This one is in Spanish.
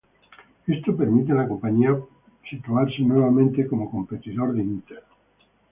Esto permite a la compañía posicionarse nuevamente como competidor de Intel.